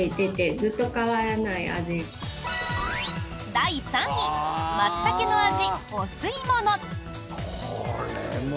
第３位松茸の味お吸いもの。